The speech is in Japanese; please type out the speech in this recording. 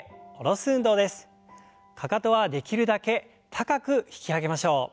かかとはできるだけ高く引き上げましょう。